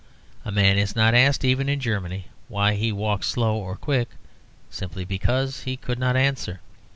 A man is not asked (even in Germany) why he walks slow or quick, simply because he could not answer.